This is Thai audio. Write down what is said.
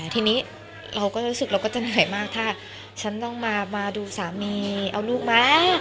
ทีนี้เราก็รู้สึกเราก็จะเหนื่อยมากถ้าฉันต้องมาดูสามีเอาลูกมา